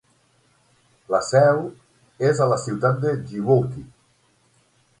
La seu és a la ciutat de Djibouti.